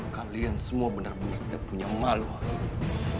kalian semua benar benar tidak punya malu harus